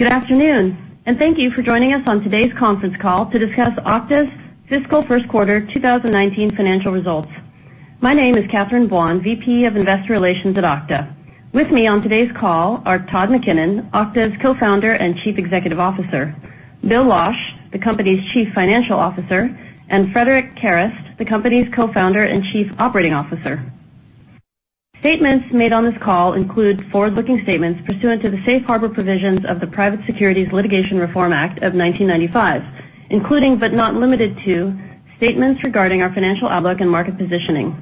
Good afternoon. Thank you for joining us on today's conference call to discuss Okta's fiscal first quarter 2019 financial results. My name is Catherine Buan, VP of Investor Relations at Okta. With me on today's call are Todd McKinnon, Okta's Co-founder and Chief Executive Officer, Bill Losch, the company's Chief Financial Officer, and Frederic Kerrest, the company's Co-founder and Chief Operating Officer. Statements made on this call include forward-looking statements pursuant to the safe harbor provisions of the Private Securities Litigation Reform Act of 1995, including but not limited to statements regarding our financial outlook and market positioning.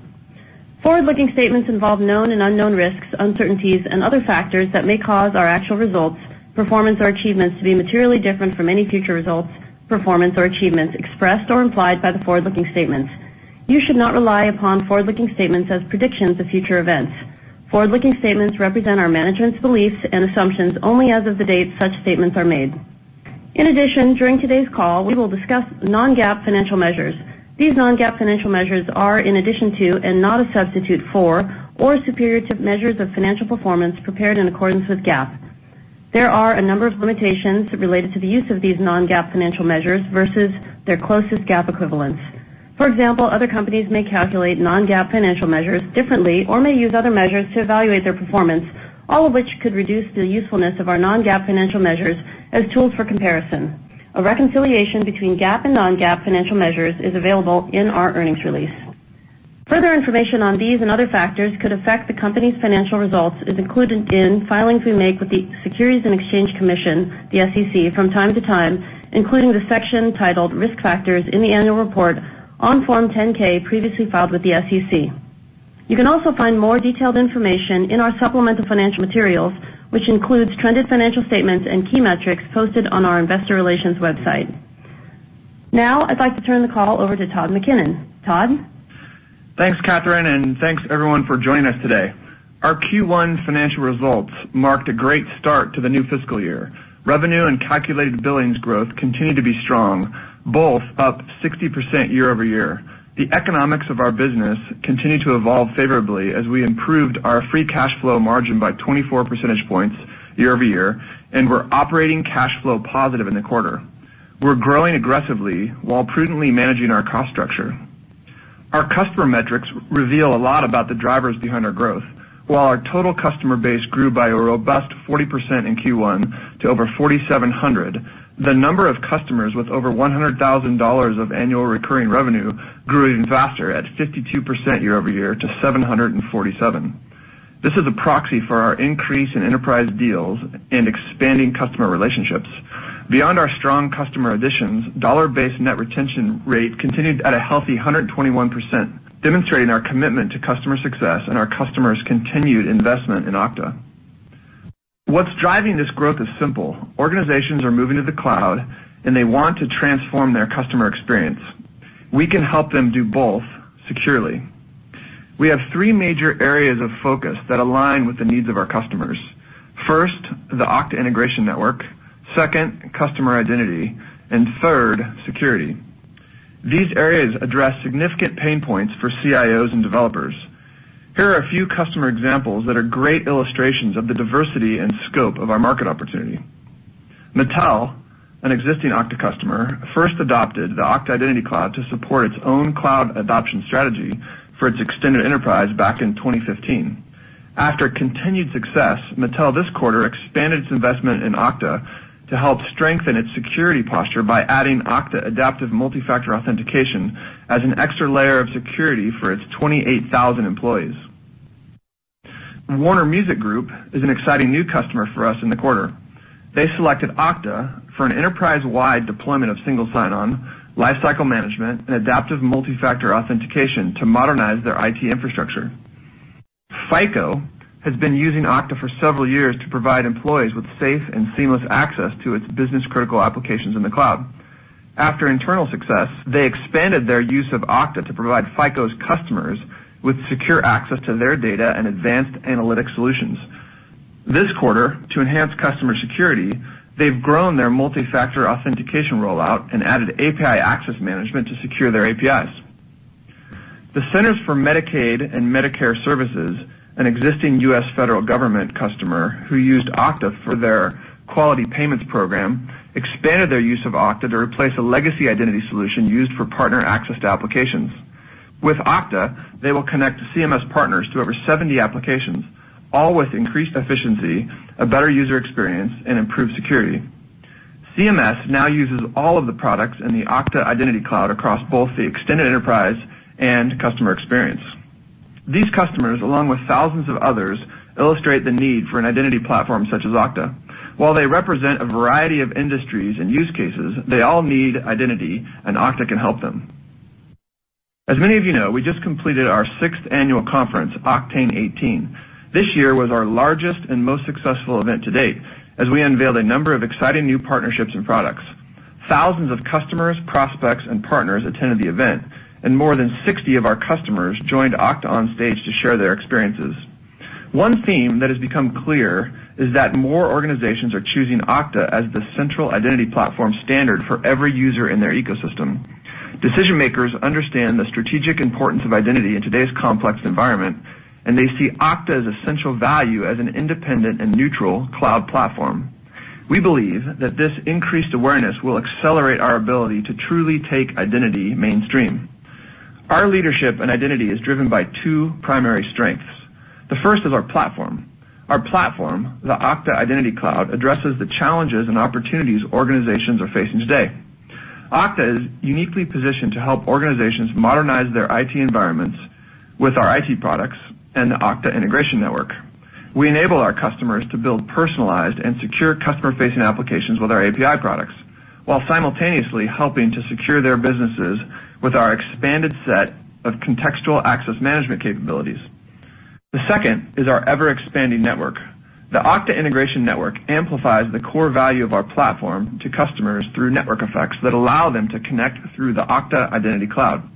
Forward-looking statements involve known and unknown risks, uncertainties, and other factors that may cause our actual results, performance, or achievements to be materially different from any future results, performance, or achievements expressed or implied by the forward-looking statements. You should not rely upon forward-looking statements as predictions of future events. Forward-looking statements represent our management's beliefs and assumptions only as of the date such statements are made. In addition, during today's call, we will discuss non-GAAP financial measures. These non-GAAP financial measures are in addition to and not a substitute for or superior to measures of financial performance prepared in accordance with GAAP. There are a number of limitations related to the use of these non-GAAP financial measures versus their closest GAAP equivalents. For example, other companies may calculate non-GAAP financial measures differently or may use other measures to evaluate their performance, all of which could reduce the usefulness of our non-GAAP financial measures as tools for comparison. A reconciliation between GAAP and non-GAAP financial measures is available in our earnings release. Further information on these and other factors could affect the company's financial results is included in filings we make with the Securities and Exchange Commission, the SEC, from time to time, including the section titled Risk Factors in the annual report on Form 10-K, previously filed with the SEC. You can also find more detailed information in our supplemental financial materials, which includes trended financial statements and key metrics posted on our investor relations website. I'd like to turn the call over to Todd McKinnon. Todd? Thanks, Catherine. Thanks, everyone, for joining us today. Our Q1 financial results marked a great start to the new fiscal year. Revenue and calculated billings growth continued to be strong, both up 60% year-over-year. The economics of our business continued to evolve favorably as we improved our free cash flow margin by 24 percentage points year-over-year, and we're operating cash flow positive in the quarter. We're growing aggressively while prudently managing our cost structure. Our customer metrics reveal a lot about the drivers behind our growth. While our total customer base grew by a robust 40% in Q1 to over 4,700, the number of customers with over $100,000 of annual recurring revenue grew even faster at 52% year-over-year to 747. This is a proxy for our increase in enterprise deals and expanding customer relationships. Beyond our strong customer additions, dollar-based net retention rate continued at a healthy 121%, demonstrating our commitment to customer success and our customers' continued investment in Okta. What's driving this growth is simple. Organizations are moving to the cloud, and they want to transform their customer experience. We can help them do both securely. We have three major areas of focus that align with the needs of our customers. First, the Okta Integration Network, second, customer identity, and third, security. These areas address significant pain points for CIOs and developers. Here are a few customer examples that are great illustrations of the diversity and scope of our market opportunity. Mattel, an existing Okta customer, first adopted the Okta Identity Cloud to support its own cloud adoption strategy for its extended enterprise back in 2015. After continued success, Mattel this quarter expanded its investment in Okta to help strengthen its security posture by adding Okta Adaptive Multi-Factor Authentication as an extra layer of security for its 28,000 employees. Warner Music Group is an exciting new customer for us in the quarter. They selected Okta for an enterprise-wide deployment of Single Sign-On, Lifecycle Management, and Adaptive Multi-Factor Authentication to modernize their IT infrastructure. FICO has been using Okta for several years to provide employees with safe and seamless access to its business-critical applications in the cloud. After internal success, they expanded their use of Okta to provide FICO's customers with secure access to their data and advanced analytic solutions. This quarter, to enhance customer security, they've grown their multi-factor authentication rollout and added API Access Management to secure their APIs. The Centers for Medicare and Medicaid Services, an existing U.S. federal government customer who used Okta for their quality payments program, expanded their use of Okta to replace a legacy identity solution used for partner access to applications. With Okta, they will connect CMS partners to over 70 applications, all with increased efficiency, a better user experience, and improved security. CMS now uses all of the products in the Okta Identity Cloud across both the extended enterprise and customer experience. These customers, along with thousands of others, illustrate the need for an identity platform such as Okta. While they represent a variety of industries and use cases, they all need identity, and Okta can help them. As many of you know, we just completed our sixth annual conference, Oktane 18. This year was our largest and most successful event to date, as we unveiled a number of exciting new partnerships and products. Thousands of customers, prospects, and partners attended the event, and more than 60 of our customers joined Okta on stage to share their experiences. One theme that has become clear is that more organizations are choosing Okta as the central identity platform standard for every user in their ecosystem. Decision-makers understand the strategic importance of identity in today's complex environment, and they see Okta as essential value as an independent and neutral cloud platform. We believe that this increased awareness will accelerate our ability to truly take identity mainstream. Our leadership and identity is driven by two primary strengths. The first is our platform. Our platform, the Okta Identity Cloud, addresses the challenges and opportunities organizations are facing today. Okta is uniquely positioned to help organizations modernize their IT environments with our IT products and the Okta Integration Network. We enable our customers to build personalized and secure customer-facing applications with our API products while simultaneously helping to secure their businesses with our expanded set of contextual access management capabilities. The second is our ever-expanding network. The Okta Integration Network amplifies the core value of our platform to customers through network effects that allow them to connect through the Okta Identity Cloud.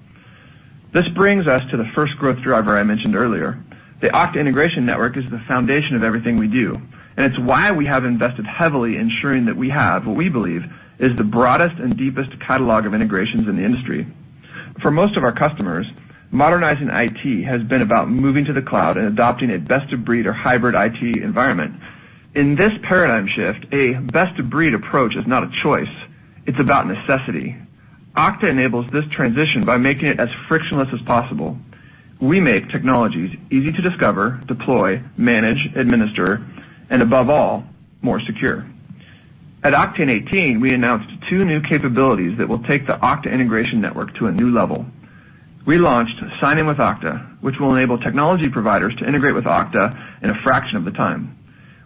This brings us to the first growth driver I mentioned earlier. The Okta Integration Network is the foundation of everything we do, and it's why we have invested heavily ensuring that we have what we believe is the broadest and deepest catalog of integrations in the industry. For most of our customers, modernizing IT has been about moving to the cloud and adopting a best-of-breed or hybrid IT environment. In this paradigm shift, a best-of-breed approach is not a choice. It's about necessity. Okta enables this transition by making it as frictionless as possible. We make technologies easy to discover, deploy, manage, administer, and above all, more secure. At Oktane 18, we announced two new capabilities that will take the Okta Integration Network to a new level. We launched Sign in with Okta, which will enable technology providers to integrate with Okta in a fraction of the time.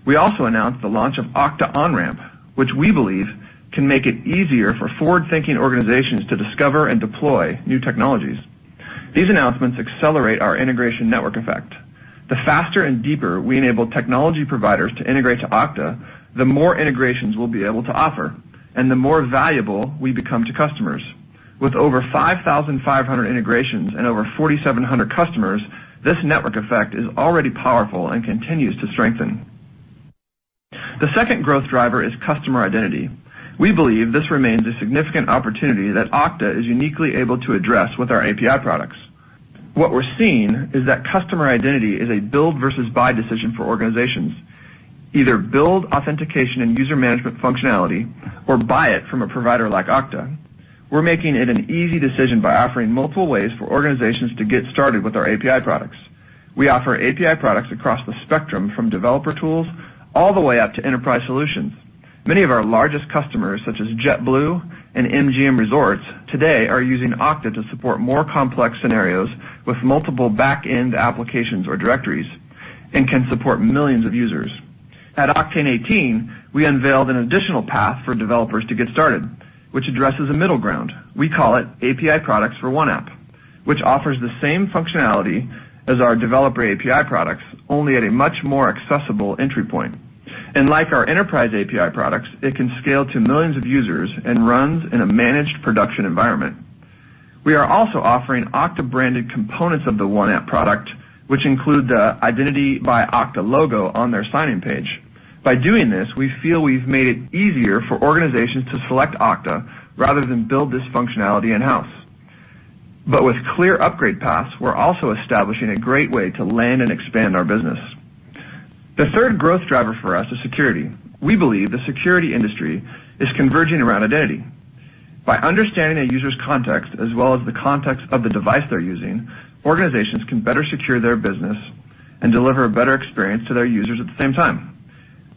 We also announced the launch of Okta Onramp, which we believe can make it easier for forward-thinking organizations to discover and deploy new technologies. These announcements accelerate our integration network effect. The faster and deeper we enable technology providers to integrate to Okta, the more integrations we'll be able to offer, and the more valuable we become to customers. With over 5,500 integrations and over 4,700 customers, this network effect is already powerful and continues to strengthen. The second growth driver is customer identity. We believe this remains a significant opportunity that Okta is uniquely able to address with our API products. What we're seeing is that customer identity is a build versus buy decision for organizations. Either build authentication and user management functionality or buy it from a provider like Okta. We're making it an easy decision by offering multiple ways for organizations to get started with our API products. We offer API products across the spectrum from developer tools all the way up to enterprise solutions. Many of our largest customers, such as JetBlue and MGM Resorts, today are using Okta to support more complex scenarios with multiple back-end applications or directories and can support millions of users. At Oktane 18, we unveiled an additional path for developers to get started, which addresses a middle ground. We call it API products for one app, which offers the same functionality as our developer API products, only at a much more accessible entry point. Like our enterprise API products, it can scale to millions of users and runs in a managed production environment. We are also offering Okta-branded components of the one app product, which include the Identity by Okta logo on their sign-in page. By doing this, we feel we've made it easier for organizations to select Okta rather than build this functionality in-house. With clear upgrade paths, we're also establishing a great way to land and expand our business. The third growth driver for us is security. We believe the security industry is converging around identity. By understanding a user's context as well as the context of the device they're using, organizations can better secure their business and deliver a better experience to their users at the same time.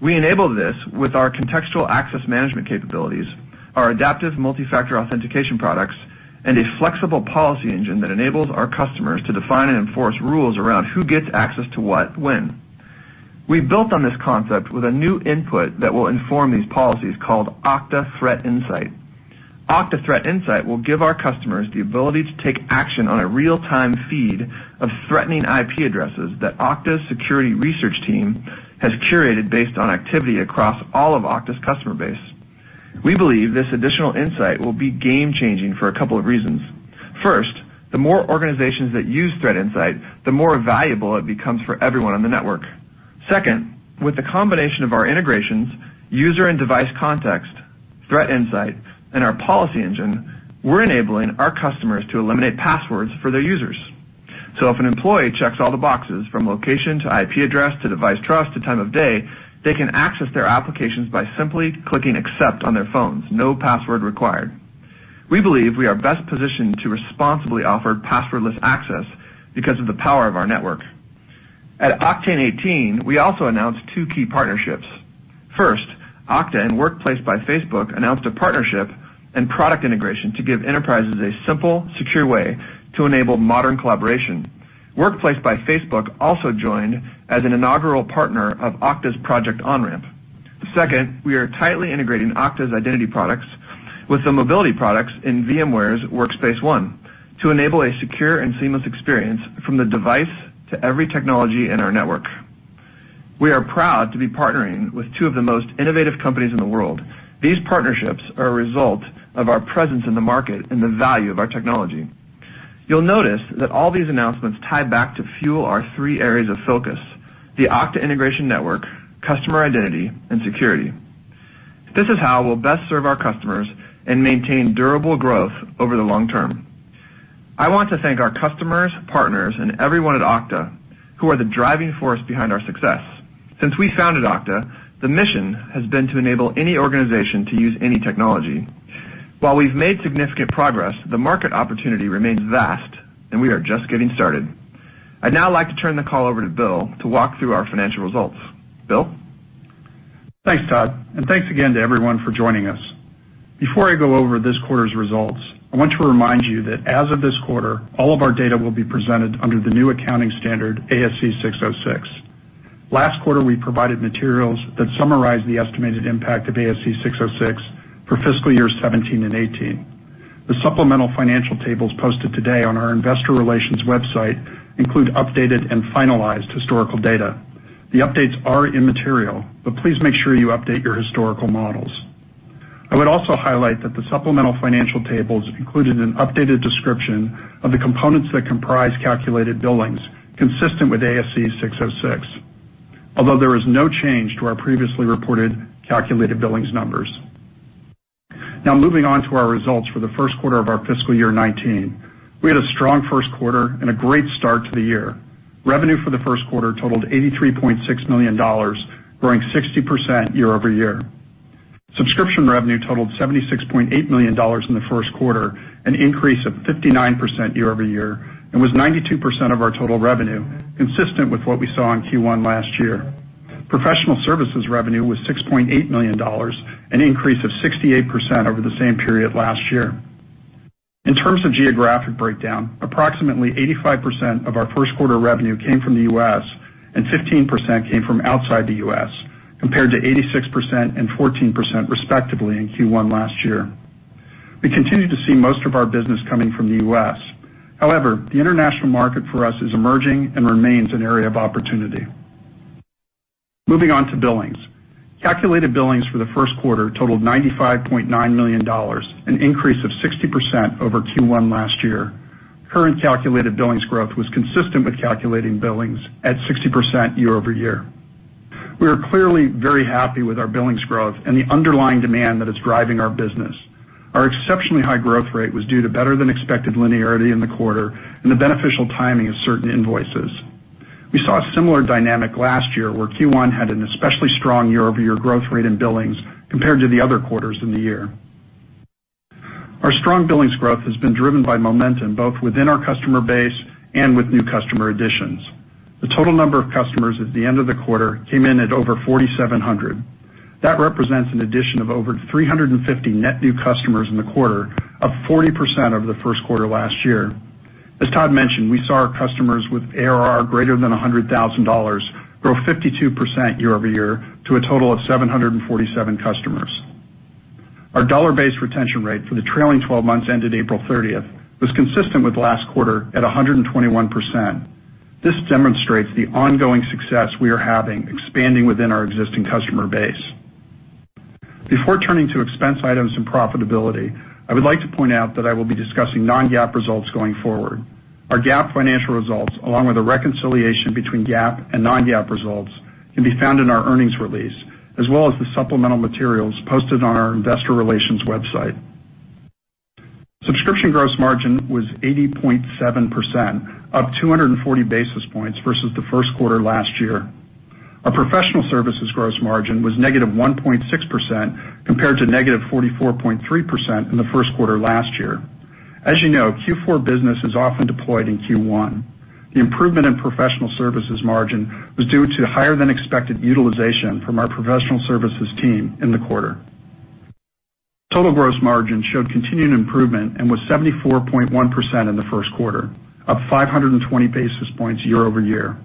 We enable this with our contextual access management capabilities, our Adaptive Multi-Factor Authentication products, and a flexible policy engine that enables our customers to define and enforce rules around who gets access to what, when. We've built on this concept with a new input that will inform these policies called Okta ThreatInsight. Okta ThreatInsight will give our customers the ability to take action on a real-time feed of threatening IP addresses that Okta's security research team has curated based on activity across all of Okta's customer base. We believe this additional insight will be game-changing for a couple of reasons. First, the more organizations that use ThreatInsight, the more valuable it becomes for everyone on the network. Second, with the combination of our integrations, user and device context, ThreatInsight, and our policy engine, we're enabling our customers to eliminate passwords for their users. If an employee checks all the boxes from location to IP address to device trust to time of day, they can access their applications by simply clicking accept on their phones, no password required. We believe we are best positioned to responsibly offer passwordless access because of the power of our network. At Oktane 18, we also announced two key partnerships. First, Okta and Workplace by Facebook announced a partnership and product integration to give enterprises a simple, secure way to enable modern collaboration. Workplace by Facebook also joined as an inaugural partner of Okta's Project Onramp. Second, we are tightly integrating Okta's identity products with the mobility products in VMware's Workspace ONE to enable a secure and seamless experience from the device to every technology in our network. We are proud to be partnering with two of the most innovative companies in the world. These partnerships are a result of our presence in the market and the value of our technology. You'll notice that all these announcements tie back to fuel our three areas of focus, the Okta Integration Network, customer identity, and security. This is how we'll best serve our customers and maintain durable growth over the long term. I want to thank our customers, partners, and everyone at Okta who are the driving force behind our success. Since we founded Okta, the mission has been to enable any organization to use any technology. While we've made significant progress, the market opportunity remains vast, and we are just getting started. I'd now like to turn the call over to Bill to walk through our financial results. Bill? Thanks, Todd, and thanks again to everyone for joining us. Before I go over this quarter's results, I want to remind you that as of this quarter, all of our data will be presented under the new accounting standard, ASC 606. Last quarter, we provided materials that summarized the estimated impact of ASC 606 for fiscal year 2017 and 2018. The supplemental financial tables posted today on our investor relations website include updated and finalized historical data. The updates are immaterial, but please make sure you update your historical models. I would also highlight that the supplemental financial tables included an updated description of the components that comprise calculated billings consistent with ASC 606. Although there is no change to our previously reported calculated billings numbers. Moving on to our results for the first quarter of our fiscal year 2019. We had a strong first quarter and a great start to the year. Revenue for the first quarter totaled $83.6 million, growing 60% year-over-year. Subscription revenue totaled $76.8 million in the first quarter, an increase of 59% year-over-year, and was 92% of our total revenue, consistent with what we saw in Q1 last year. Professional services revenue was $6.8 million, an increase of 68% over the same period last year. In terms of geographic breakdown, approximately 85% of our first quarter revenue came from the U.S., and 15% came from outside the U.S., compared to 86% and 14%, respectively, in Q1 last year. We continue to see most of our business coming from the U.S. The international market for us is emerging and remains an area of opportunity. Billings. Calculated billings for the first quarter totaled $95.9 million, an increase of 60% over Q1 last year. Current calculated billings growth was consistent with calculating billings at 60% year-over-year. We are clearly very happy with our billings growth and the underlying demand that is driving our business. Our exceptionally high growth rate was due to better than expected linearity in the quarter and the beneficial timing of certain invoices. We saw a similar dynamic last year where Q1 had an especially strong year-over-year growth rate in billings compared to the other quarters in the year. Our strong billings growth has been driven by momentum both within our customer base and with new customer additions. The total number of customers at the end of the quarter came in at over 4,700. That represents an addition of over 350 net new customers in the quarter, up 40% over the first quarter last year. As Todd mentioned, we saw our customers with ARR greater than $100,000 grow 52% year-over-year to a total of 747 customers. Our dollar-based retention rate for the trailing 12 months ended April 30th was consistent with last quarter at 121%. This demonstrates the ongoing success we are having expanding within our existing customer base. Before turning to expense items and profitability, I would like to point out that I will be discussing non-GAAP results going forward. Our GAAP financial results, along with a reconciliation between GAAP and non-GAAP results, can be found in our earnings release, as well as the supplemental materials posted on our investor relations website. Subscription gross margin was 80.7%, up 240 basis points versus the first quarter last year. Our professional services gross margin was -1.6%, compared to -44.3% in the first quarter last year. As you know, Q4 business is often deployed in Q1. The improvement in professional services margin was due to higher than expected utilization from our professional services team in the quarter. Total gross margin showed continued improvement and was 74.1% in the first quarter, up 520 basis points year-over-year.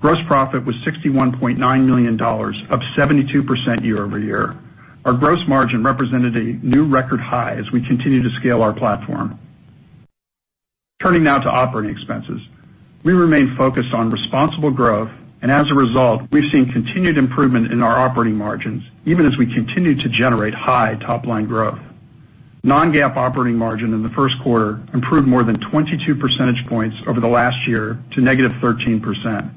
Gross profit was $61.9 million, up 72% year-over-year. Our gross margin represented a new record high as we continue to scale our platform. Turning now to operating expenses. We remain focused on responsible growth, and as a result, we've seen continued improvement in our operating margins, even as we continue to generate high top-line growth. non-GAAP operating margin in the first quarter improved more than 22 percentage points over the last year to -13%.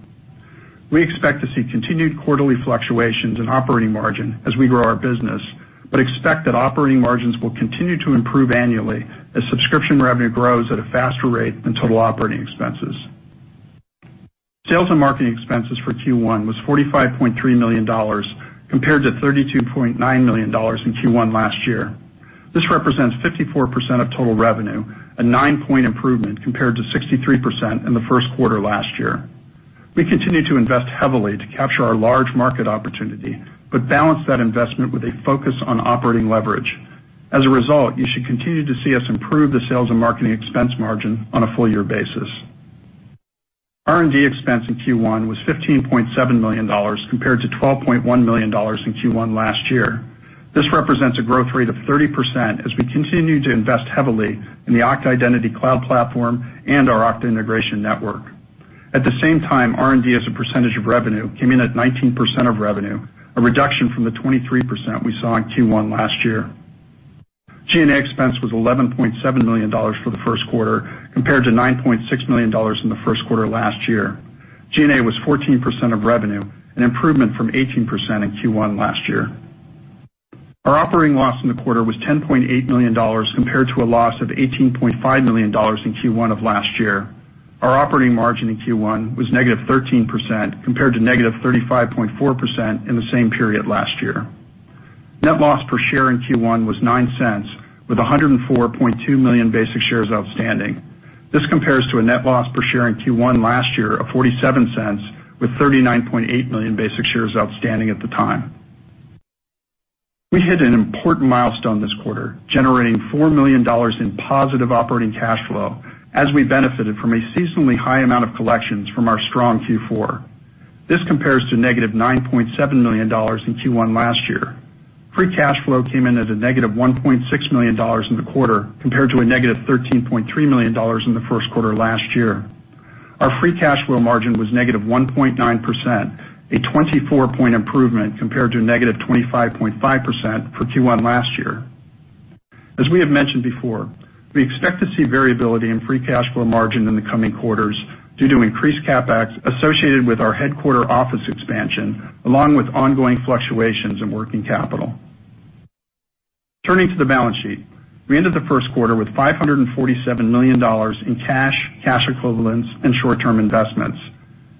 We expect to see continued quarterly fluctuations in operating margin as we grow our business, but expect that operating margins will continue to improve annually as subscription revenue grows at a faster rate than total operating expenses. Sales and marketing expenses for Q1 was $45.3 million, compared to $32.9 million in Q1 last year. This represents 54% of total revenue, a nine-point improvement compared to 63% in the first quarter last year. We continue to invest heavily to capture our large market opportunity, but balance that investment with a focus on operating leverage. As a result, you should continue to see us improve the sales and marketing expense margin on a full year basis. R&D expense in Q1 was $15.7 million, compared to $12.1 million in Q1 last year. This represents a growth rate of 30% as we continue to invest heavily in the Okta Identity Cloud platform and our Okta Integration Network. At the same time, R&D as a percentage of revenue came in at 19% of revenue, a reduction from the 23% we saw in Q1 last year. G&A expense was $11.7 million for the first quarter, compared to $9.6 million in the first quarter last year. G&A was 14% of revenue, an improvement from 18% in Q1 last year. Our operating loss in the quarter was $10.8 million compared to a loss of $18.5 million in Q1 of last year. Our operating margin in Q1 was negative 13%, compared to negative 35.4% in the same period last year. Net loss per share in Q1 was $0.09, with 104.2 million basic shares outstanding. This compares to a net loss per share in Q1 last year of $0.47, with 39.8 million basic shares outstanding at the time. We hit an important milestone this quarter, generating $4 million in positive operating cash flow as we benefited from a seasonally high amount of collections from our strong Q4. This compares to negative $9.7 million in Q1 last year. Free cash flow came in at a negative $1.6 million in the quarter, compared to a negative $13.3 million in the first quarter last year. Our free cash flow margin was negative 1.9%, a 24-point improvement compared to negative 25.5% for Q1 last year. As we have mentioned before, we expect to see variability in free cash flow margin in the coming quarters due to increased CapEx associated with our headquarter office expansion, along with ongoing fluctuations in working capital. Turning to the balance sheet, we ended the first quarter with $547 million in cash equivalents, and short-term investments.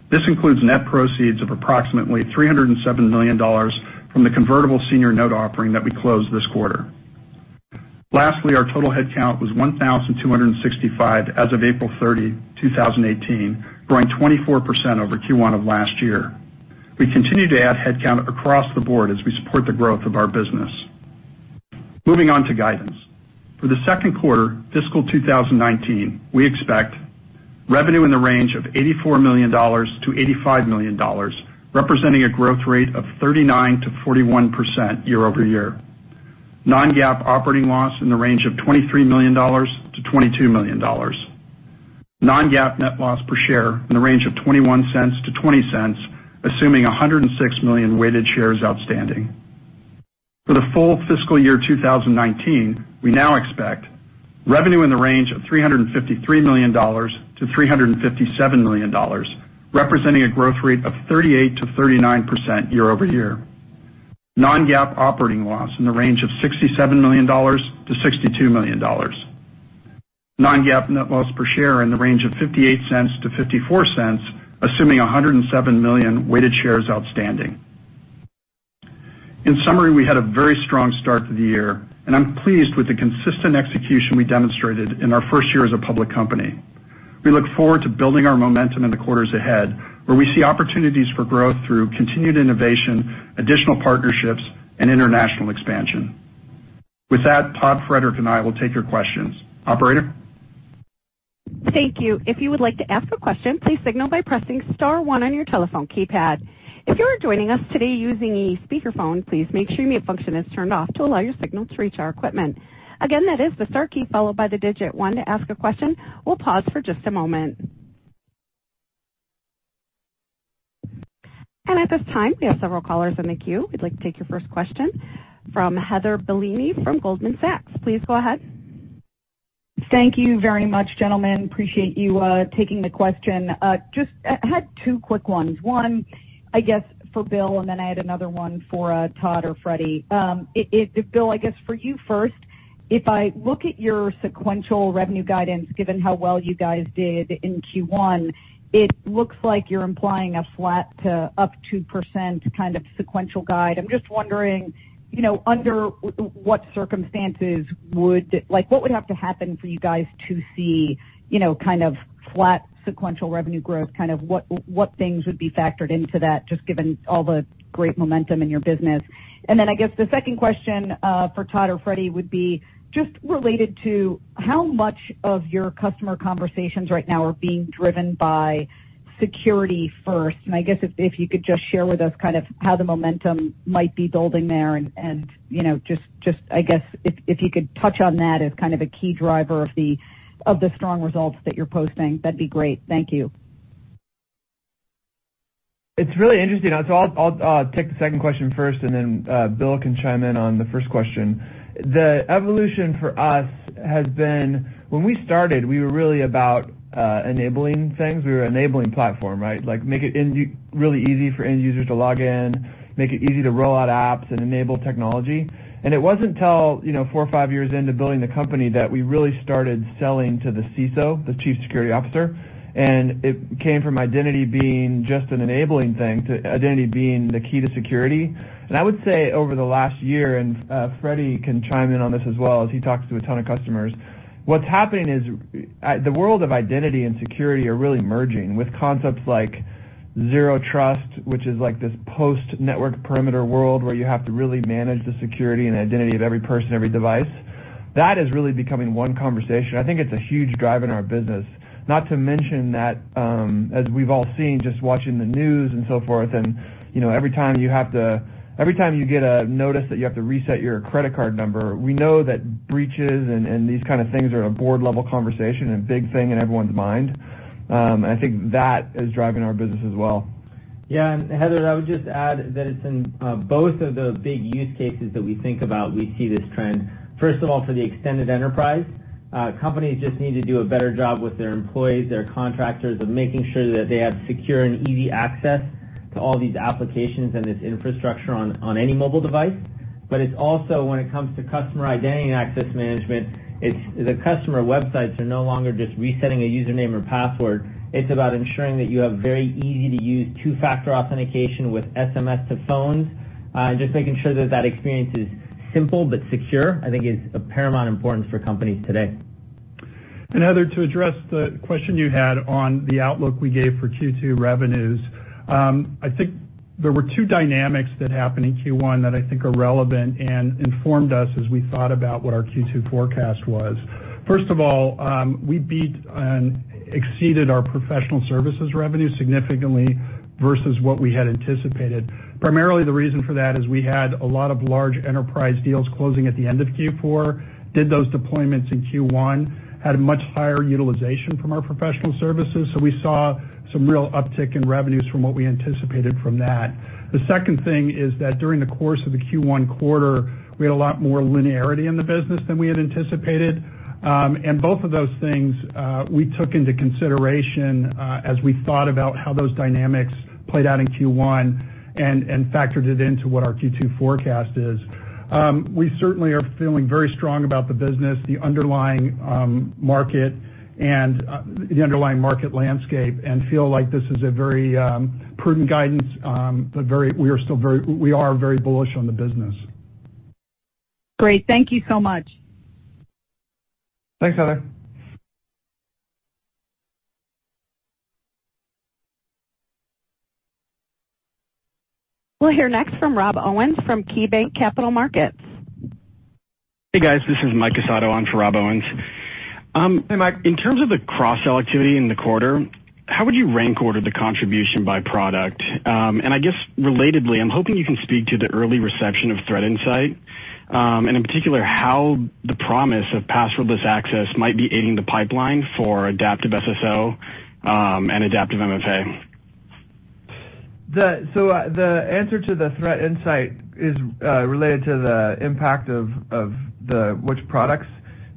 This includes net proceeds of approximately $307 million from the convertible senior note offering that we closed this quarter. Lastly, our total headcount was 1,265 as of April 30, 2018, growing 24% over Q1 of last year. We continue to add headcount across the board as we support the growth of our business. Moving on to guidance. For the second quarter fiscal 2019, we expect revenue in the range of $84 million-$85 million, representing a growth rate of 39%-41% year-over-year. non-GAAP operating loss in the range of $23 million-$22 million. non-GAAP net loss per share in the range of $0.21-$0.20, assuming 106 million weighted shares outstanding. For the full fiscal year 2019, we now expect revenue in the range of $353 million-$357 million, representing a growth rate of 38%-39% year-over-year. non-GAAP operating loss in the range of $67 million-$62 million. non-GAAP net loss per share in the range of $0.58-$0.54, assuming 107 million weighted shares outstanding. In summary, we had a very strong start to the year, and I'm pleased with the consistent execution we demonstrated in our first year as a public company. We look forward to building our momentum in the quarters ahead, where we see opportunities for growth through continued innovation, additional partnerships, and international expansion. With that, Todd, Frederic, and I will take your questions. Operator? Thank you. If you would like to ask a question, please signal by pressing *1 on your telephone keypad. If you are joining us today using a speakerphone, please make sure mute function is turned off to allow your signal to reach our equipment. Again, that is the * key followed by the digit 1 to ask a question. We'll pause for just a moment. At this time, we have several callers in the queue. We'd like to take your first question from Heather Bellini from Goldman Sachs. Please go ahead. Thank you very much, gentlemen. Appreciate you taking the question. Just had two quick ones. One, I guess, for Bill, and then I had another one for Todd or Frederic. Bill, I guess for you first, if I look at your sequential revenue guidance, given how well you guys did in Q1, it looks like you're implying a flat to up 2% kind of sequential guide. I'm just wondering under what circumstances What would have to happen for you guys to see kind of flat sequential revenue growth? What things would be factored into that, just given all the great momentum in your business? I guess the second question for Todd or Freddie would be just related to how much of your customer conversations right now are being driven by security first, and I guess if you could just share with us how the momentum might be building there and just, I guess, if you could touch on that as kind of a key driver of the strong results that you're posting, that'd be great. Thank you. It's really interesting. I'll take the second question first, Bill can chime in on the first question. The evolution for us has been when we started, we were really about enabling things. We were enabling platform, right? Make it really easy for end users to log in, make it easy to roll out apps and enable technology. It wasn't till four or five years into building the company that we really started selling to the CISO, the chief security officer. It came from identity being just an enabling thing to identity being the key to security. I would say over the last year, Freddie can chime in on this as well, as he talks to a ton of customers, what's happening is the world of identity and security are really merging with concepts like zero trust, which is like this post-network perimeter world where you have to really manage the security and identity of every person, every device. That is really becoming one conversation. I think it's a huge drive in our business. Not to mention that, as we've all seen, just watching the news and so forth, and every time you get a notice that you have to reset your credit card number, we know that breaches and these kind of things are a board-level conversation and a big thing in everyone's mind. I think that is driving our business as well. Yeah. Heather, I would just add that it's in both of the big use cases that we think about, we see this trend. First of all, for the extended enterprise, companies just need to do a better job with their employees, their contractors, of making sure that they have secure and easy access to all these applications and this infrastructure on any mobile device. It's also when it comes to customer identity and access management, the customer websites are no longer just resetting a username or password. It's about ensuring that you have very easy-to-use two-factor authentication with SMS to phones. Just making sure that that experience is simple but secure, I think is of paramount importance for companies today. Heather, to address the question you had on the outlook we gave for Q2 revenues. I think there were two dynamics that happened in Q1 that I think are relevant and informed us as we thought about what our Q2 forecast was. First of all, we beat and exceeded our professional services revenue significantly versus what we had anticipated. Primarily, the reason for that is we had a lot of large enterprise deals closing at the end of Q4, did those deployments in Q1, had a much higher utilization from our professional services. We saw some real uptick in revenues from what we anticipated from that. The second thing is that during the course of the Q1 quarter, we had a lot more linearity in the business than we had anticipated. Both of those things, we took into consideration, as we thought about how those dynamics played out in Q1 and factored it into what our Q2 forecast is. We certainly are feeling very strong about the business, the underlying market, and the underlying market landscape, and feel like this is a very prudent guidance, but we are very bullish on the business. Great. Thank you so much. Thanks, Heather. We'll hear next from Rob Owens from KeyBanc Capital Markets. Hey, guys, this is Mike Cassata on for Rob Owens. Hey, Mike. In terms of the cross-sell activity in the quarter, how would you rank order the contribution by product? I guess relatedly, I'm hoping you can speak to the early reception of ThreatInsight, and in particular, how the promise of passwordless access might be aiding the pipeline for Adaptive SSO, and Adaptive MFA. The answer to the ThreatInsight is related to the impact of which products.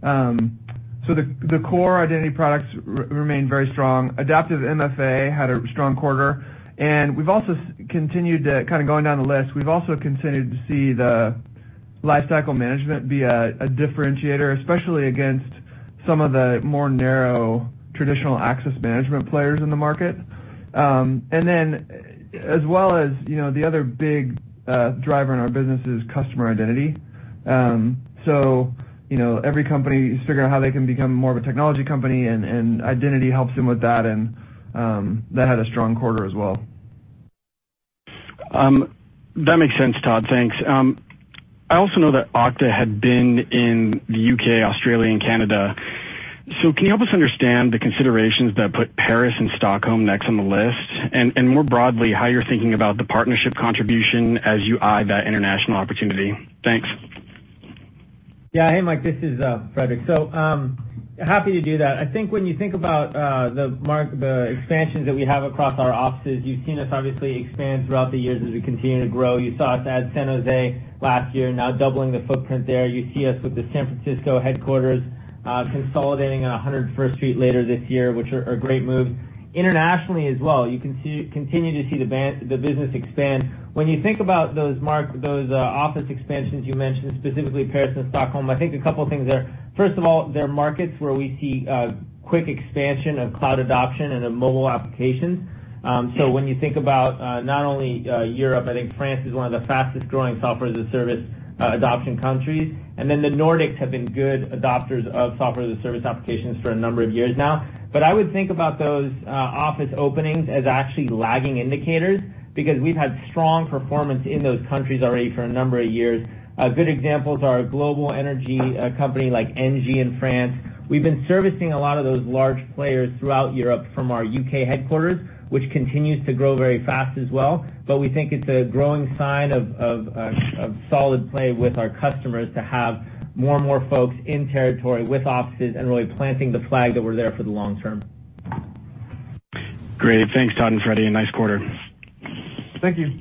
The core identity products remain very strong. Adaptive MFA had a strong quarter, and kind of going down the list, we've also continued to see the Lifecycle Management be a differentiator, especially against some of the more narrow traditional access management players in the market. As well as the other big driver in our business is customer identity. Every company is figuring out how they can become more of a technology company and identity helps them with that, and that had a strong quarter as well. That makes sense, Todd. Thanks. I also know that Okta had been in the U.K., Australia, and Canada. Can you help us understand the considerations that put Paris and Stockholm next on the list? More broadly, how you're thinking about the partnership contribution as you eye that international opportunity. Thanks. Yeah. Hey, Mike, this is Frederic. Happy to do that. I think when you think about the expansions that we have across our offices, you've seen us obviously expand throughout the years as we continue to grow. You saw us add San Jose last year, now doubling the footprint there. You see us with the San Francisco headquarters, consolidating on 100 First Street later this year, which are great moves. Internationally as well, you continue to see the business expand. When you think about those office expansions you mentioned, specifically Paris and Stockholm, I think a couple things there. First of all, they're markets where we see a quick expansion of cloud adoption and of mobile applications. When you think about not only Europe, I think France is one of the fastest-growing Software as a Service adoption countries. The Nordics have been good adopters of Software as a Service applications for a number of years now. I would think about those office openings as actually lagging indicators because we've had strong performance in those countries already for a number of years. A good example is our global energy company like Engie in France. We've been servicing a lot of those large players throughout Europe from our U.K. headquarters, which continues to grow very fast as well. We think it's a growing sign of solid play with our customers to have more and more folks in territory with offices and really planting the flag that we're there for the long term. Great. Thanks, Todd and Frederic, and nice quarter. Thank you.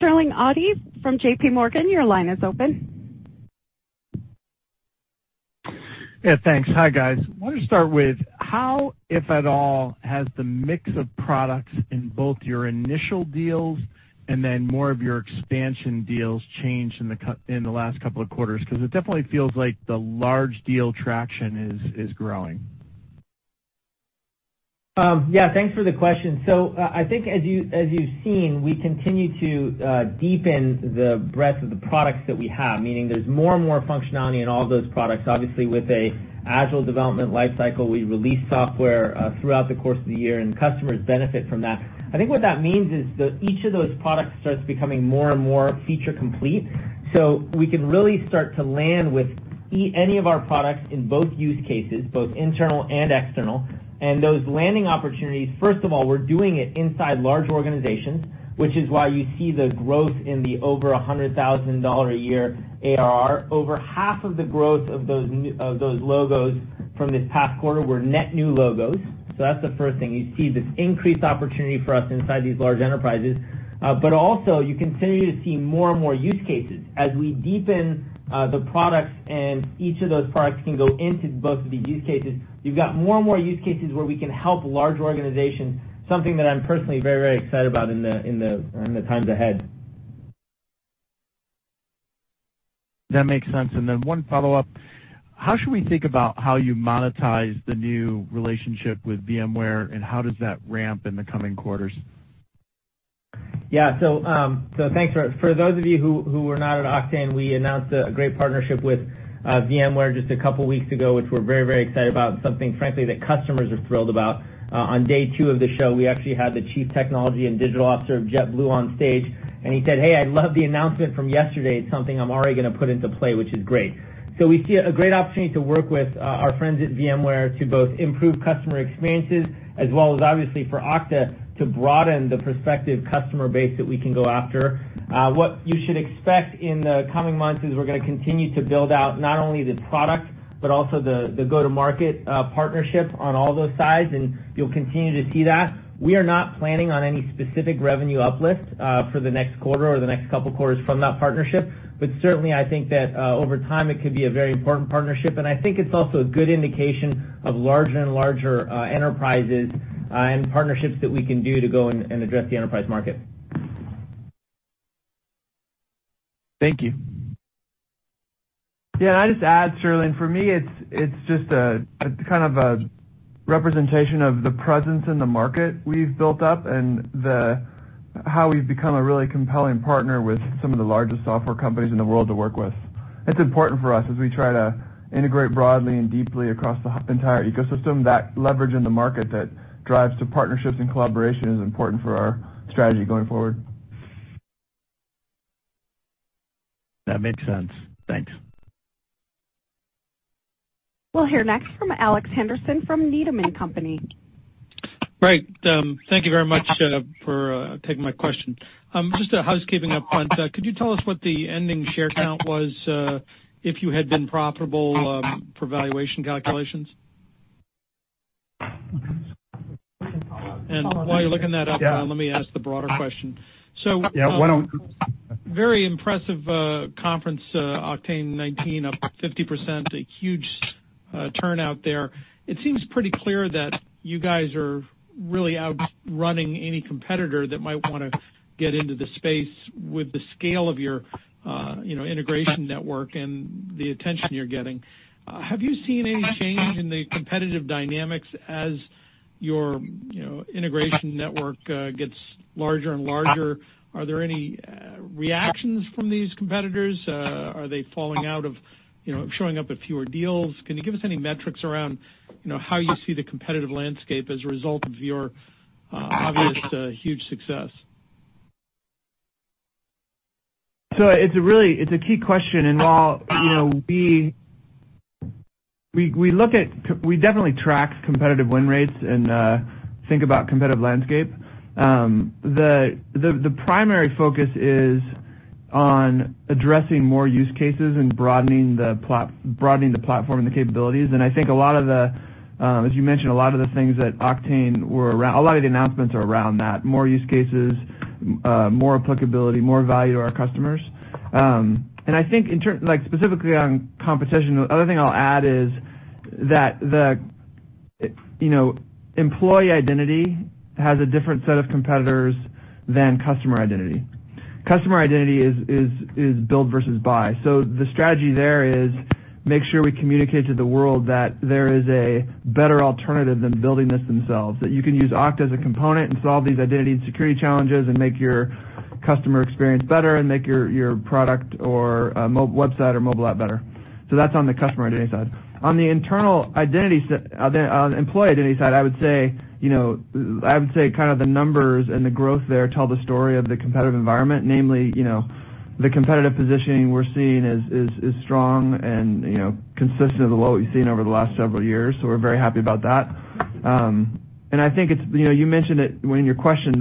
Sterling Auty from JP Morgan, your line is open. Yeah, thanks. Hi, guys. I want to start with how, if at all, has the mix of products in both your initial deals and then more of your expansion deals changed in the last couple of quarters? Because it definitely feels like the large deal traction is growing. Thanks for the question. I think as you've seen, we continue to deepen the breadth of the products that we have, meaning there's more and more functionality in all those products, obviously with Agile development life cycle, we release software throughout the course of the year and customers benefit from that. I think what that means is that each of those products starts becoming more and more feature complete. We can really start to land with any of our products in both use cases, both internal and external. Those landing opportunities, first of all, we're doing it inside large organizations, which is why you see the growth in the over $100,000 a year ARR. Over half of the growth of those logos from this past quarter were net new logos. That's the first thing. You see this increased opportunity for us inside these large enterprises. Also you continue to see more and more use cases as we deepen the products and each of those products can go into both of these use cases. You've got more and more use cases where we can help large organizations, something that I'm personally very excited about in the times ahead. That makes sense. Then one follow-up. How should we think about how you monetize the new relationship with VMware, and how does that ramp in the coming quarters? Thanks. For those of you who were not at Oktane, we announced a great partnership with VMware just a couple of weeks ago, which we're very excited about, something frankly that customers are thrilled about. On day two of the show, we actually had the chief technology and digital officer of JetBlue on stage, and he said, "Hey, I love the announcement from yesterday. It's something I'm already going to put into play," which is great. We see a great opportunity to work with our friends at VMware to both improve customer experiences as well as obviously for Okta to broaden the prospective customer base that we can go after. What you should expect in the coming months is we're going to continue to build out not only the product, but also the go-to-market partnership on all those sides, and you'll continue to see that. We are not planning on any specific revenue uplift for the next quarter or the next couple of quarters from that partnership. Certainly, I think that over time, it could be a very important partnership, and I think it's also a good indication of larger and larger enterprises and partnerships that we can do to go and address the enterprise market. Thank you. Yeah, I'd just add, Sterling, for me, it's just a representation of the presence in the market we've built up and how we've become a really compelling partner with some of the largest software companies in the world to work with. It's important for us as we try to integrate broadly and deeply across the entire ecosystem, that leverage in the market that drives to partnerships and collaboration is important for our strategy going forward. That makes sense. Thanks. We'll hear next from Alex Henderson from Needham & Company. Great. Thank you very much for taking my question. Just a housekeeping up front. Could you tell us what the ending share count was if you had been profitable for valuation calculations? I can follow up. While you're looking that up. Yeah Let me ask the broader question. Yeah, why don't Very impressive conference, Oktane 18, up 50%, a huge turnout there. It seems pretty clear that you guys are really outrunning any competitor that might want to get into the space with the scale of your integration network and the attention you're getting. Have you seen any change in the competitive dynamics as your integration network gets larger and larger? Are there any reactions from these competitors? Are they falling out of showing up at fewer deals? Can you give us any metrics around how you see the competitive landscape as a result of your obvious huge success? It's a key question, while we definitely track competitive win rates and think about competitive landscape. The primary focus is on addressing more use cases and broadening the platform and the capabilities. I think a lot of the, as you mentioned, a lot of the things that Oktane were around, a lot of the announcements are around that. More use cases, more applicability, more value to our customers. I think specifically on competition, the other thing I'll add is that employee identity has a different set of competitors than customer identity. Customer identity is build versus buy. The strategy there is make sure we communicate to the world that there is a better alternative than building this themselves, that you can use Okta as a component and solve these identity and security challenges and make your customer experience better and make your product or website or mobile app better. That's on the customer identity side. On the internal employee identity side, I would say, the numbers and the growth there tell the story of the competitive environment, namely, the competitive positioning we're seeing is strong and consistent with what we've seen over the last several years. We're very happy about that. I think you mentioned it in your question,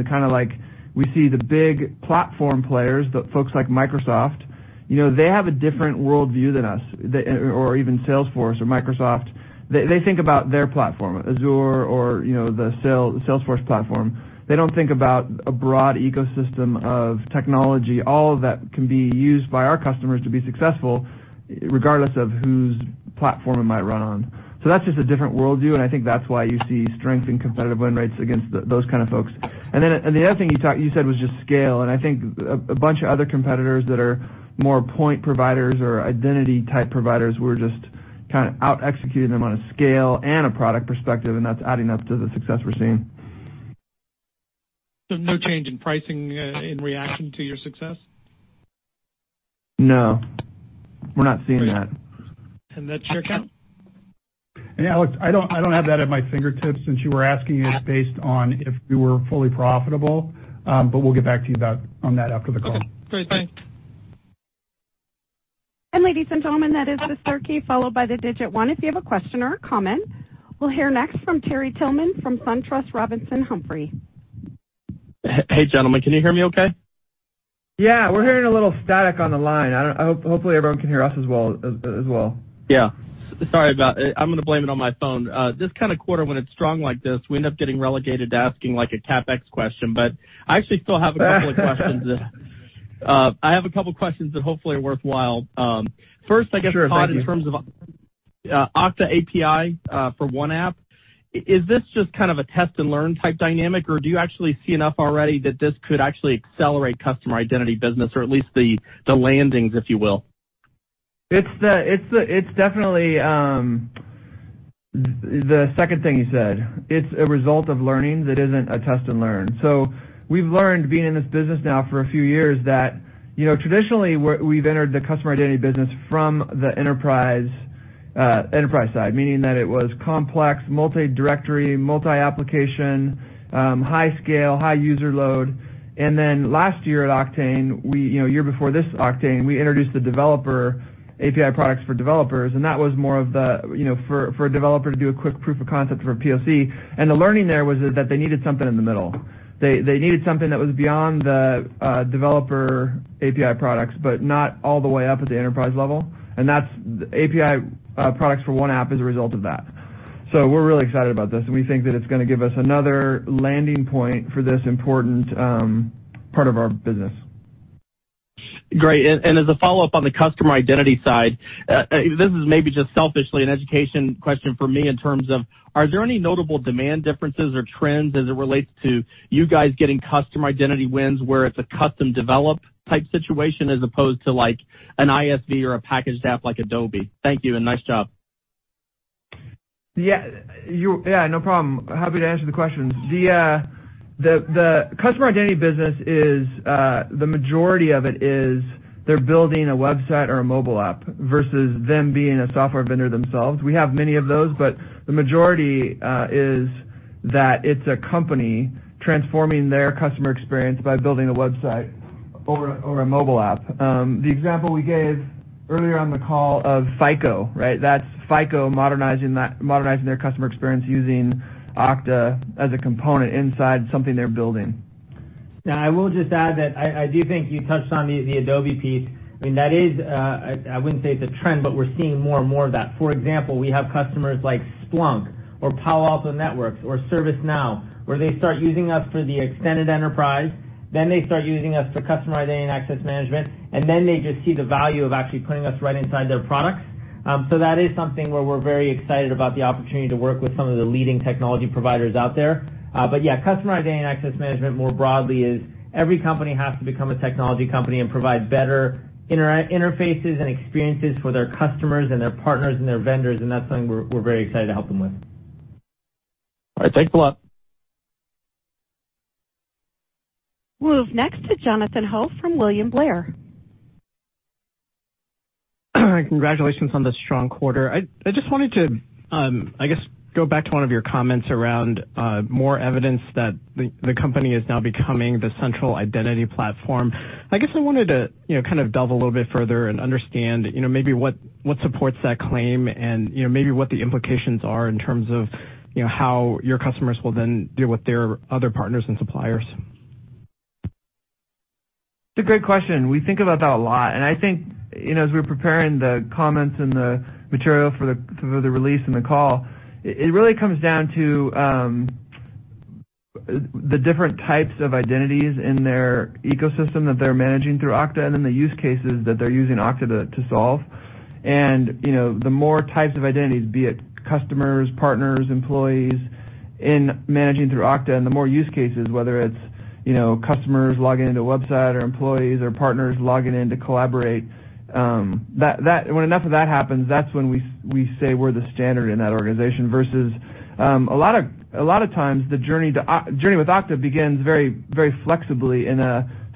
we see the big platform players, the folks like Microsoft. They have a different worldview than us, or even Salesforce or Microsoft. They think about their platform, Azure or the Salesforce platform. They don't think about a broad ecosystem of technology, all of that can be used by our customers to be successful regardless of whose platform it might run on. That's just a different worldview, and I think that's why you see strength in competitive win rates against those kind of folks. Then the other thing you said was just scale, and I think a bunch of other competitors that are more point providers or identity-type providers, we're just out-executing them on a scale and a product perspective, and that's adding up to the success we're seeing. No change in pricing in reaction to your success? No, we're not seeing that. That check out? Alex, I don't have that at my fingertips since you were asking us based on if we were fully profitable. We'll get back to you on that after the call. Okay, great. Thanks. Ladies and gentlemen, that is the star key followed by the digit one. If you have a question or a comment. We'll hear next from Terry Tillman from SunTrust Robinson Humphrey. Hey, gentlemen. Can you hear me okay? Yeah. We're hearing a little static on the line. Hopefully, everyone can hear us as well. Yeah. Sorry about it. I'm going to blame it on my phone. This kind of quarter when it's strong like this, we end up getting relegated to asking a CapEx question. I actually still have a couple of questions that hopefully are worthwhile. Sure, thank you. First, I guess, Todd, in terms of Okta API for one app. Is this just kind of a test and learn type dynamic, or do you actually see enough already that this could actually accelerate customer identity business or at least the landings, if you will? It's definitely the second thing you said. It's a result of learnings. It isn't a test and learn. We've learned being in this business now for a few years that traditionally, we've entered the customer identity business from the enterprise side. Meaning that it was complex, multi-directory, multi-application, high scale, high user load. Last year at Oktane, a year before this Oktane, we introduced the developer API products for developers, and that was more for a developer to do a quick proof of concept for a POC. The learning there was that they needed something in the middle. They needed something that was beyond the developer API products, but not all the way up at the enterprise level. That's API products for One App as a result of that. We're really excited about this, and we think that it's going to give us another landing point for this important part of our business. Great. As a follow-up on the customer identity side, this is maybe just selfishly an education question for me in terms of, are there any notable demand differences or trends as it relates to you guys getting customer identity wins where it's a custom develop type situation as opposed to an ISV or a packaged app like Adobe? Thank you, and nice job. Yeah, no problem. Happy to answer the questions. The customer identity business, the majority of it is they're building a website or a mobile app versus them being a software vendor themselves. We have many of those, but the majority is that it's a company transforming their customer experience by building a website or a mobile app. The example we gave earlier on the call of FICO, right? That's FICO modernizing their customer experience using Okta as a component inside something they're building. I will just add that I do think you touched on the Adobe piece. I wouldn't say it's a trend, but we're seeing more and more of that. For example, we have customers like Splunk or Palo Alto Networks or ServiceNow, where they start using us for the extended enterprise. They start using us for customer identity and access management, they just see the value of actually putting us right inside their products. That is something where we're very excited about the opportunity to work with some of the leading technology providers out there. Yeah, customer identity and access management more broadly is every company has to become a technology company and provide better interfaces and experiences for their customers and their partners and their vendors, and that's something we're very excited to help them with. All right. Thanks a lot. We'll move next to Jonathan Ho from William Blair. Congratulations on the strong quarter. I just wanted to go back to one of your comments around more evidence that the company is now becoming the central identity platform. I wanted to delve a little bit further and understand maybe what supports that claim and maybe what the implications are in terms of how your customers will then deal with their other partners and suppliers. It's a great question. We think about that a lot. I think as we were preparing the comments and the material for the release and the call, it really comes down to the different types of identities in their ecosystem that they're managing through Okta and then the use cases that they're using Okta to solve. The more types of identities, be it customers, partners, employees in managing through Okta, and the more use cases, whether it's customers logging into a website or employees or partners logging in to collaborate. When enough of that happens, that's when we say we're the standard in that organization versus a lot of times, the journey with Okta begins very flexibly in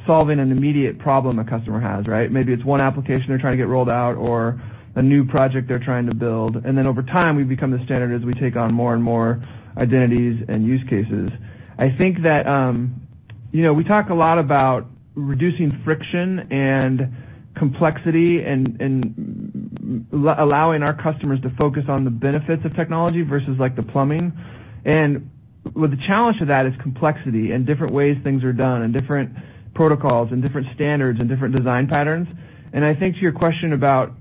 solving an immediate problem a customer has, right? Maybe it's one application they're trying to get rolled out or a new project they're trying to build. Then over time, we become the standard as we take on more and more identities and use cases. I think that we talk a lot about reducing friction and complexity and allowing our customers to focus on the benefits of technology versus the plumbing. The challenge to that is complexity and different ways things are done and different protocols and different standards and different design patterns. I think to your question about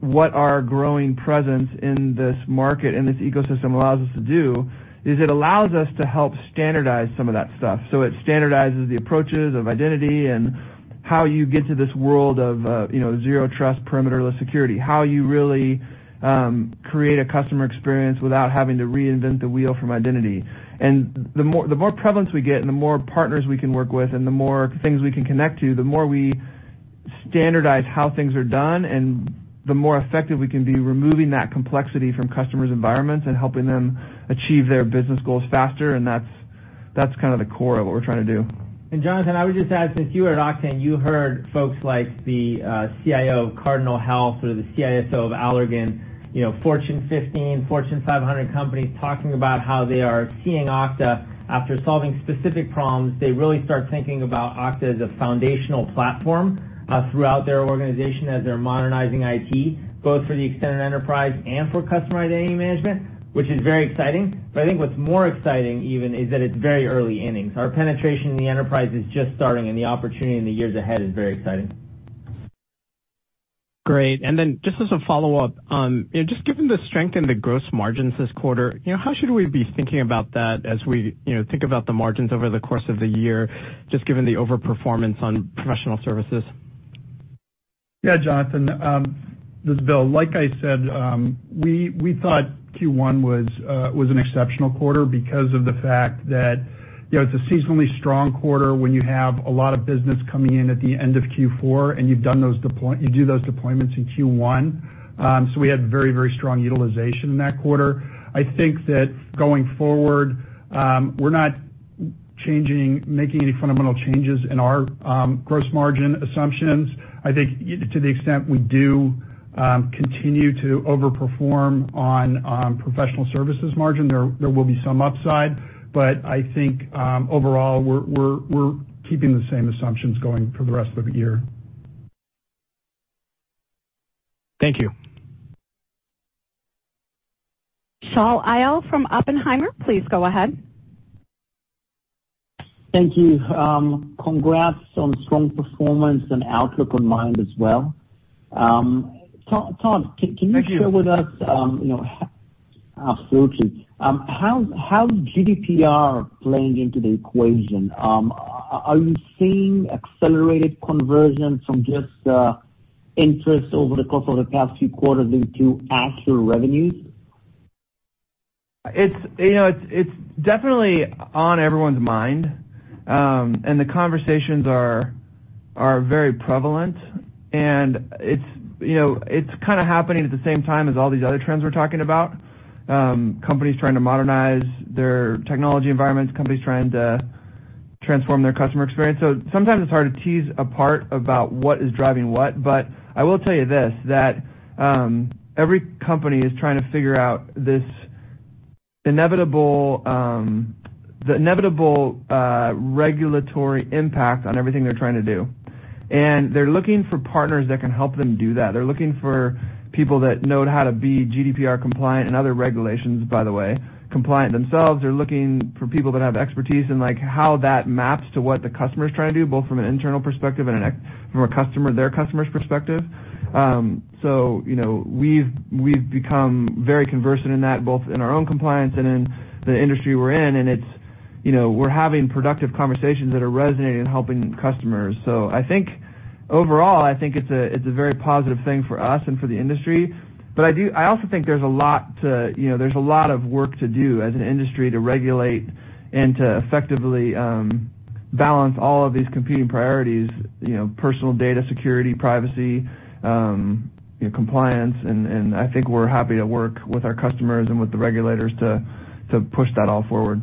what our growing presence in this market and this ecosystem allows us to do is it allows us to help standardize some of that stuff. It standardizes the approaches of identity and how you get to this world of zero trust, perimeterless security. How you really create a customer experience without having to reinvent the wheel from identity. The more prevalence we get and the more partners we can work with and the more things we can connect to, the more we standardize how things are done, and the more effective we can be removing that complexity from customers' environments and helping them achieve their business goals faster. That's the core of what we're trying to do. Jonathan, I would just add, since you were at Oktane, you heard folks like the CIO of Cardinal Health or the CISO of Allergan, Fortune 15, Fortune 500 companies talking about how they are seeing Okta after solving specific problems. They really start thinking about Okta as a foundational platform throughout their organization as they're modernizing IT, both for the extended enterprise and for customer identity management, which is very exciting. I think what's more exciting even is that it's very early innings. Our penetration in the enterprise is just starting, and the opportunity in the years ahead is very exciting. Great. Then just as a follow-up, just given the strength in the gross margins this quarter, how should we be thinking about that as we think about the margins over the course of the year, just given the over-performance on professional services? Yeah, Jonathan. This is Bill. Like I said, we thought Q1 was an exceptional quarter because of the fact that it's a seasonally strong quarter when you have a lot of business coming in at the end of Q4, and you do those deployments in Q1. We had very strong utilization in that quarter. I think that going forward, we're not making any fundamental changes in our gross margin assumptions. I think to the extent we do continue to over-perform on professional services margin, there will be some upside. I think overall, we're keeping the same assumptions going for the rest of the year. Thank you. Shaul Eyal from Oppenheimer, please go ahead. Thank you. Congrats on strong performance and outlook on mind as well. Todd. Thank you. Can you share with us how GDPR playing into the equation? Are you seeing accelerated conversion from just interest over the course of the past few quarters into actual revenues? It's definitely on everyone's mind, the conversations are very prevalent, it's happening at the same time as all these other trends we're talking about. Companies trying to modernize their technology environments, companies trying to transform their customer experience. Sometimes it's hard to tease apart about what is driving what, I will tell you this, that every company is trying to figure out the inevitable regulatory impact on everything they're trying to do. They're looking for partners that can help them do that. They're looking for people that know how to be GDPR compliant and other regulations, by the way, compliant themselves. They're looking for people that have expertise in how that maps to what the customer's trying to do, both from an internal perspective and from their customer's perspective. We've become very conversant in that, both in our own compliance and in the industry we're in. We're having productive conversations that are resonating and helping customers. I think overall, I think it's a very positive thing for us and for the industry. I also think there's a lot of work to do as an industry to regulate and to effectively balance all of these competing priorities, personal data security, privacy, compliance, I think we're happy to work with our customers and with the regulators to push that all forward.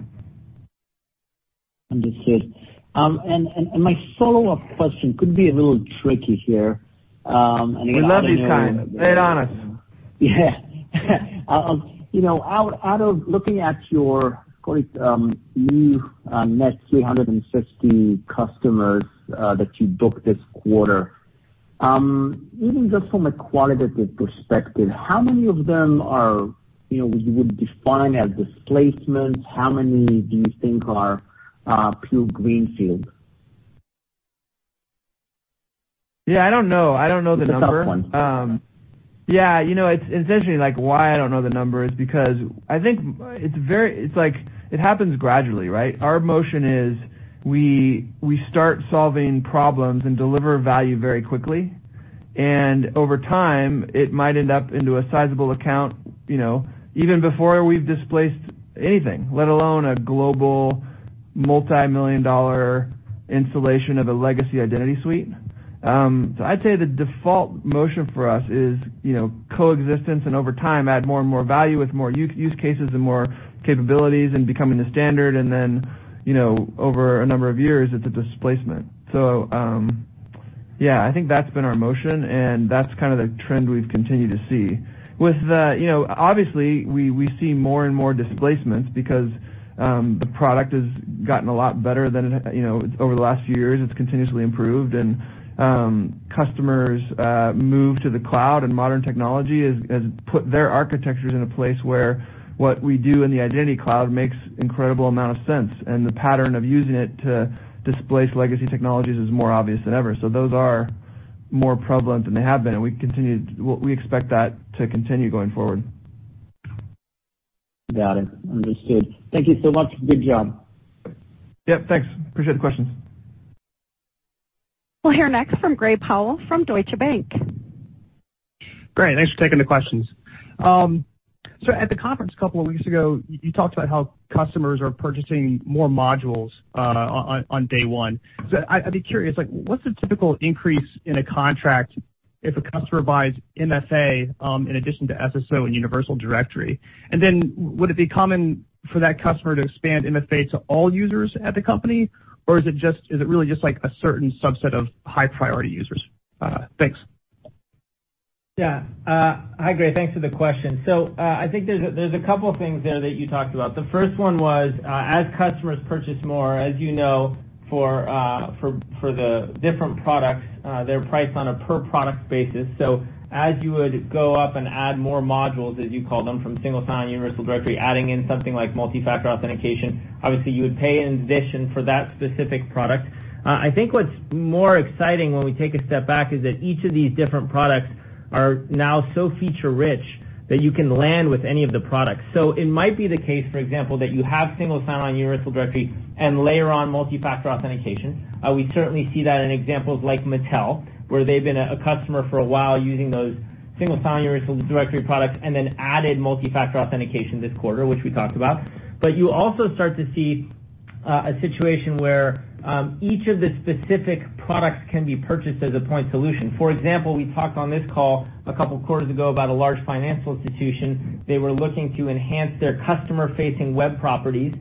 Understood. My follow-up question could be a little tricky here. We love these kinds. Lay it on us. Yeah. Out of looking at your new net 360 customers that you booked this quarter, even just from a qualitative perspective, how many of them would you define as displacements? How many do you think are pure greenfield? Yeah, I don't know. I don't know the number. It's a tough one. Yeah. Essentially, why I don't know the number is because I think it happens gradually, right? Our motion is we start solving problems and deliver value very quickly. Over time, it might end up into a sizable account even before we've displaced anything, let alone a global multimillion-dollar installation of a legacy identity suite. I'd say the default motion for us is coexistence, and over time, add more and more value with more use cases and more capabilities and becoming the standard, and then over a number of years, it's a displacement. Yeah, I think that's been our motion, and that's the trend we've continued to see. Obviously, we see more and more displacements because the product has gotten a lot better over the last few years. It's continuously improved, and customers move to the cloud, and modern technology has put their architectures in a place where what we do in the Identity Cloud makes incredible amount of sense, and the pattern of using it to displace legacy technologies is more obvious than ever. Those are more prevalent than they have been, and we expect that to continue going forward. Got it. Understood. Thank you so much. Good job. Yep, thanks. Appreciate the questions. We'll hear next from Gray Powell from Deutsche Bank. Great. Thanks for taking the questions. At the conference a couple of weeks ago, you talked about how customers are purchasing more modules on day one. I'd be curious, what's the typical increase in a contract if a customer buys MFA in addition to SSO and Universal Directory? Would it be common for that customer to expand MFA to all users at the company? Or is it really just a certain subset of high-priority users? Thanks. Yeah. Hi, Gray. Thanks for the question. I think there's a couple of things there that you talked about. The first one was, as customers purchase more, as you know, for the different products, they're priced on a per product basis. As you would go up and add more modules, as you call them, from Single Sign-On, Universal Directory, adding in something like Multi-Factor Authentication, obviously you would pay in addition for that specific product. I think what's more exciting when we take a step back is that each of these different products are now so feature-rich that you can land with any of the products. It might be the case, for example, that you have Single Sign-On, Universal Directory, and layer on Multi-Factor Authentication. We certainly see that in examples like Mattel, where they've been a customer for a while using those Single Sign-On Universal Directory products and then added Multi-Factor Authentication this quarter, which we talked about. You also start to see a situation where each of the specific products can be purchased as a point solution. For example, we talked on this call a couple of quarters ago about a large financial institution. They were looking to enhance their customer-facing web properties.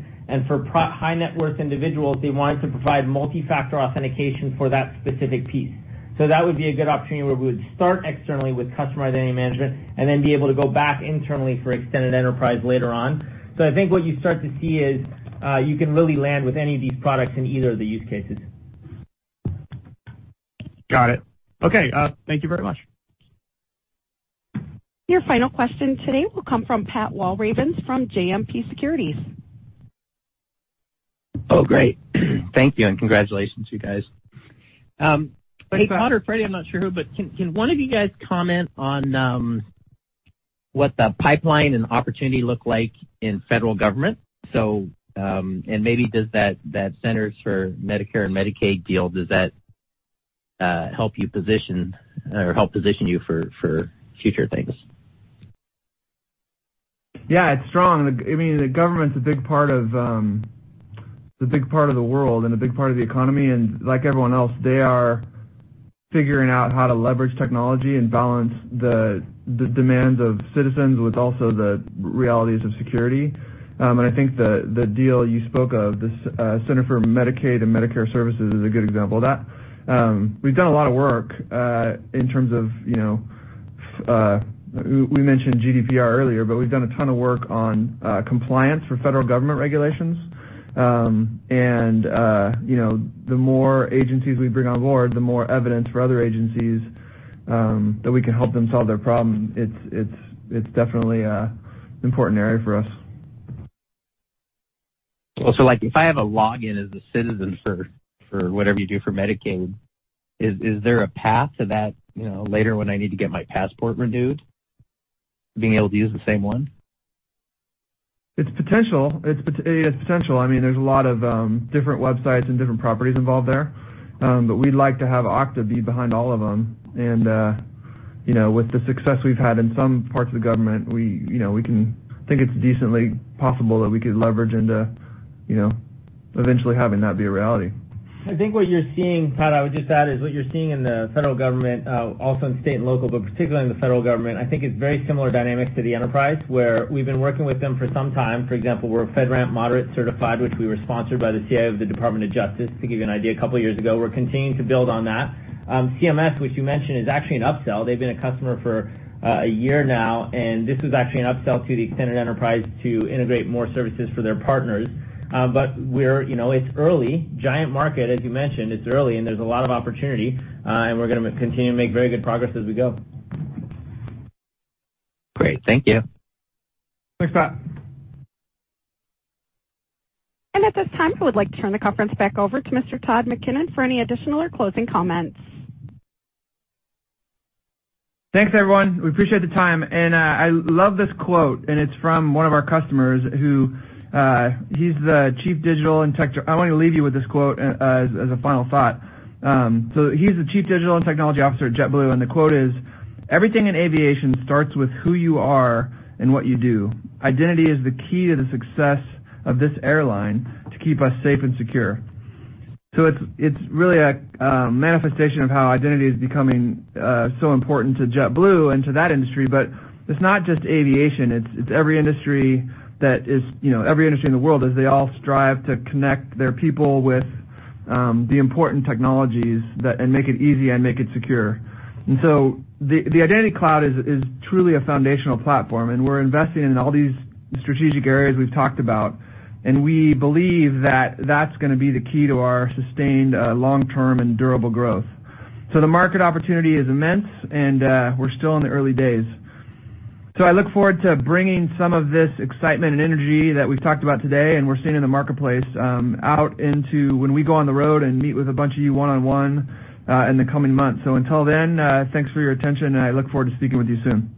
For high-net-worth individuals, they wanted to provide Multi-Factor Authentication for that specific piece. That would be a good opportunity where we would start externally with Customer Identity Management and then be able to go back internally for extended enterprise later on. I think what you start to see is you can really land with any of these products in either of the use cases. Got it. Okay. Thank you very much. Your final question today will come from Pat Walravens from JMP Securities. Oh, great. Thank you, and congratulations, you guys. Hey, Todd or Freddy, I'm not sure who, but can one of you guys comment on what the pipeline and opportunity look like in federal government? Maybe does that Centers for Medicare and Medicaid deal, does that help position you for future things? Yeah, it's strong. The government's a big part of the world and a big part of the economy. Like everyone else, they are figuring out how to leverage technology and balance the demands of citizens with also the realities of security. I think the deal you spoke of, the Centers for Medicare and Medicaid Services, is a good example of that. We've done a lot of work in terms of, we mentioned GDPR earlier, but we've done a ton of work on compliance for federal government regulations. The more agencies we bring on board, the more evidence for other agencies that we can help them solve their problem. It's definitely an important area for us. If I have a login as a citizen for whatever you do for Medicaid, is there a path to that later when I need to get my passport renewed, being able to use the same one? It's potential. There's a lot of different websites and different properties involved there, but we'd like to have Okta be behind all of them. With the success we've had in some parts of the government, we can think it's decently possible that we could leverage into eventually having that be a reality. I think what you're seeing, Pat, I would just add, is what you're seeing in the federal government, also in state and local, but particularly in the federal government, I think is very similar dynamics to the enterprise, where we've been working with them for some time. For example, we're FedRAMP moderate certified, which we were sponsored by the CIO of the Department of Justice, to give you an idea, a couple of years ago. We're continuing to build on that. CMS, which you mentioned, is actually an upsell. They've been a customer for a year now, and this was actually an upsell to the extended enterprise to integrate more services for their partners. It's early. Giant market, as you mentioned. It's early and there's a lot of opportunity, and we're going to continue to make very good progress as we go. Great. Thank you. Thanks, Pat. At this time, I would like to turn the conference back over to Mr. Todd McKinnon for any additional or closing comments. Thanks, everyone. We appreciate the time. I love this quote, and it's from one of our customers. I want to leave you with this quote as a final thought. He's the Chief Digital and Technology Officer at JetBlue, and the quote is, "Everything in aviation starts with who you are and what you do. Identity is the key to the success of this airline to keep us safe and secure." It's really a manifestation of how identity is becoming so important to JetBlue and to that industry. It's not just aviation, it's every industry in the world as they all strive to connect their people with the important technologies and make it easy and make it secure. The Identity Cloud is truly a foundational platform, and we're investing in all these strategic areas we've talked about. We believe that that's going to be the key to our sustained long-term and durable growth. The market opportunity is immense, and we're still in the early days. I look forward to bringing some of this excitement and energy that we've talked about today, and we're seeing in the marketplace, out into when we go on the road and meet with a bunch of you one-on-one in the coming months. Until then, thanks for your attention, and I look forward to speaking with you soon.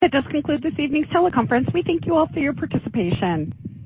That does conclude this evening's teleconference. We thank you all for your participation.